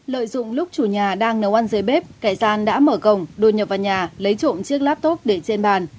lợi dụng lúc chủ nhà đang nấu ăn dưới bếp cải gian đã mở cổng đột nhập vào nhà lấy trộm chiếc laptop để trên bàn